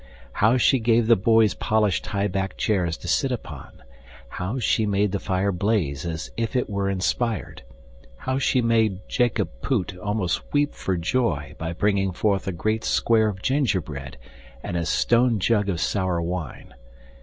How she gave the boys polished high backed chairs to sit upon, how she made the fire blaze as if it were inspired, how she made Jacob Poot almost weep for joy by bringing forth a great square of gingerbread and a stone jug of sour wine!